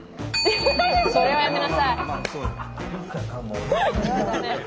それはやめなさい！